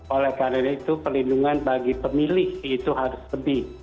oleh karena itu pelindungan bagi pemilih itu harus lebih